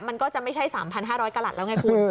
มันก็จะไม่ใช่๓๕๐๐กรัฐแล้วไงคุณ